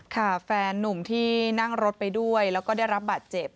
แฟนนุ่มที่นั่งรถไปด้วยแล้วก็ได้รับบาดเจ็บ